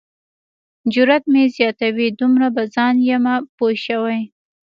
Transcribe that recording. جرات مې زیاتوي دومره په ځان یمه پوه شوی.